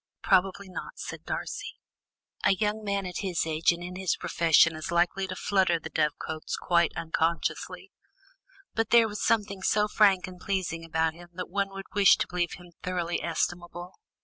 "Probably not," said Darcy, "a young man at his age and in his profession is likely to flutter the dovecotes quite unconsciously. But there was something so frank and pleasing about him that one would wish to believe him thoroughly estimable."